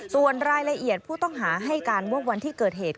ส่วนรายละเอียดผู้ต้องหาให้การว่าวันที่เกิดเหตุ